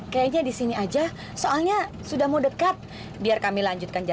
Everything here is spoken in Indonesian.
sampai jumpa di video selanjutnya